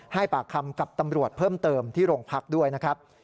ให้ปากคำกับตำรวจเพิ่มเติมที่โรงพักด้วยนะครับ